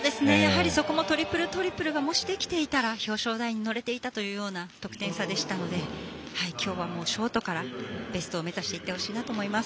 トリプル、トリプルがもしできていたら表彰台に乗れていたというような得点差でしたのできょうはショートからベストを目指していってほしいなと思います。